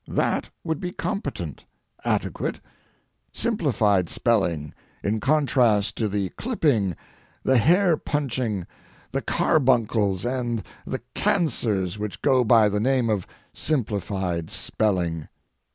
That would be competent, adequate, simplified spelling, in contrast to the clipping, the hair punching, the carbuncles, and the cancers which go by the name of simplified spelling.